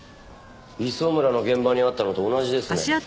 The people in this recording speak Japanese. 磯村の現場にあったのと同じですね。